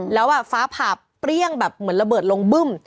แล้วฟ้าผ่าเปรี้ยงแบบเหมือนระเบิดลงบึ้ม